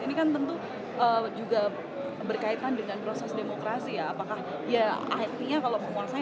ini kan tentu juga berkaitan dengan proses demokrasi ya apakah ya artinya kalau penguasa